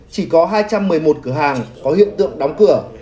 chỉ có hai trăm một mươi một cửa hàng có hiện tượng đóng cửa